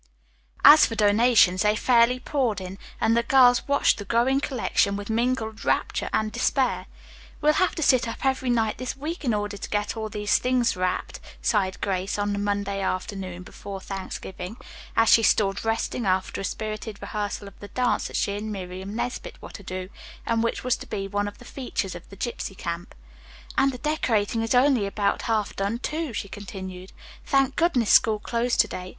As for donations, they fairly poured in, and the girls watched the growing collection with mingled rapture and despair. "We'll have to sit up every night this week in order to get all these things wrapped," sighed Grace, on the Monday afternoon before Thanksgiving, as she stood resting after a spirited rehearsal of the dance that she and Miriam Nesbit were to do, and which was to be one of the features of the gypsy camp. "And the decorating is only about half done, too," she continued. "Thank goodness school closed to day.